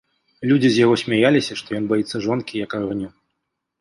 Людзі з яго смяяліся, што ён баіцца жонкі, як агню.